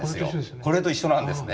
これと一緒なんですね。